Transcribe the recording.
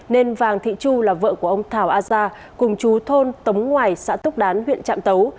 nên vàng thị chu là vợ của ông thảo aza cùng chú thôn tống ngoài xã túc đán huyện trạm tấu